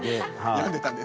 病んでたんですね。